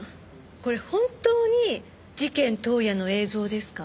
これ本当に事件当夜の映像ですか？